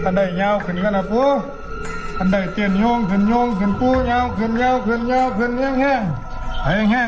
ระวังล่ะ